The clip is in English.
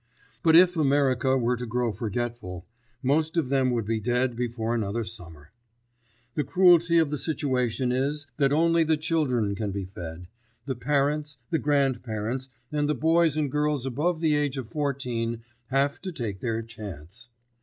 But if America were to grow forgetful, most of them would be dead before another summer. The cruelty of the situation is that only the children can be fed; the parents, the grandparents and the boys and girls above the age of fourteen have to take their chance.